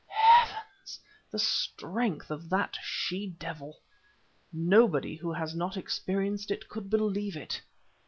Heavens! the strength of that she devil! Nobody who has not experienced it could believe it.